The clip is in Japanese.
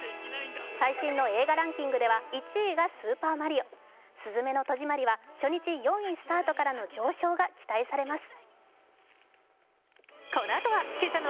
最新の映画ランキングでは１位が「スーパーマリオ」「すずめの戸締まり」は初日４位スタートからの上昇が期待されます。